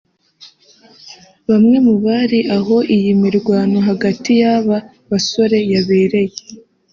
Bamwe mu bari aho iyi mirwano hagati y’aba basore yabereye